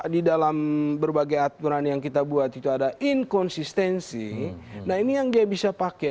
di dalam berbagai aturan yang kita buat itu ada inkonsistensi nah ini yang dia bisa pakai nanti untuk mengatakan indonesia telah melanggar prinsip